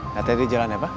nanti ada di jalan ya pak